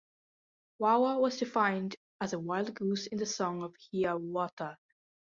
Wawa was defined as wild goose in The Song of Hiawatha.